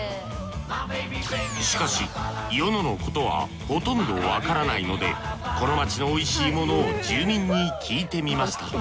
しかし与野のことはほとんどわからないのでこの街の美味しいものを住民に聞いてみました。